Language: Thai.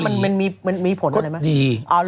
หมายถึงว่ามันมีผลอะไรไหม